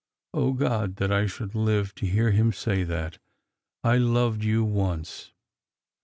" God, that I should live to hear him say that !' I loved you once.'